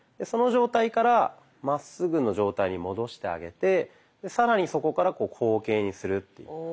その状態からまっすぐの状態に戻してあげて更にそこから後傾にするっていう。